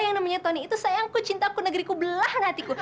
yang namanya tony itu sayangku cintaku negeriku belahan hatiku